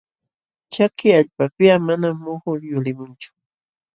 Chaki allpapiqa manam muhu yulimunchu.